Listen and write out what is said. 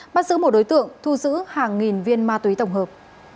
bắt giữ một đối tượng thu giữ hàng nghìn viên ma túy tổng hợp